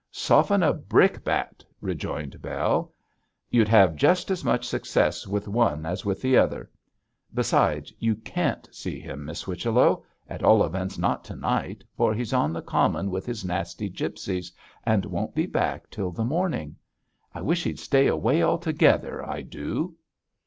'Soften a brick bat,' rejoined Bell; 'you'd have just as much success with one as with the other. Besides, you can't see him, Miss Whichello at all events, not to night for he's on the common with his nasty gipsies, and won't be back till the morning. I wish he'd stay away altogether, I do.'